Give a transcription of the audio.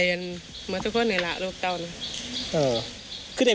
รวมถึงไม่เคยเจอในรำคืน